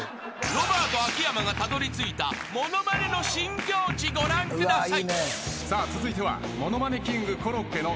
［ロバート秋山がたどりついた物まねの新境地ご覧ください］